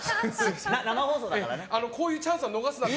こういうチャンスは逃すなって。